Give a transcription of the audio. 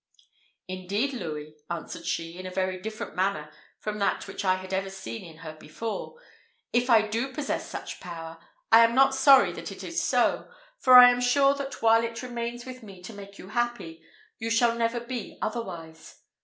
"Indeed, Louis," answered she, in a very different manner from that which I had ever seen in her before "if I do possess such power, I am not sorry that it is so; for I am sure that while it remains with me to make you happy, you shall never be otherwise.